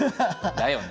だよね。